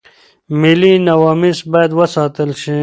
ملي نواميس بايد وساتل شي.